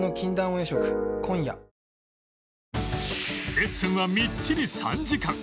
レッスンはみっちり３時間